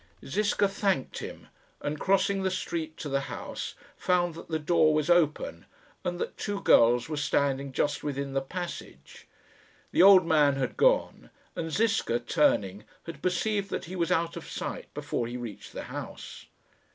Ziska thanked him, and, crossing the street to the house, found that the door was open, and that two girls were standing just within the passage. The old man had gone, and Ziska, turning, had perceived that he was out of sight before he reached the house.